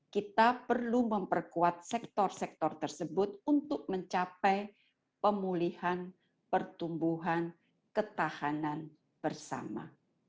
kita perlu memperkuat sektor sektor tersebut untuk mencapai pemulihan pertumbuhan ketahanan bersama